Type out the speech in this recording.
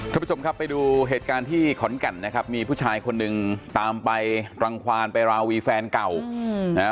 ทุกผู้ชมครับไปดูเหตุการณ์ที่ขอนแก่นนะครับมีผู้ชายคนหนึ่งตามไปรังความไปราวีแฟนเก่าอืมนะฮะ